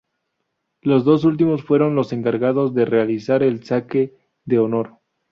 Los dos últimos fueron los encargados de realizar el saque de honor.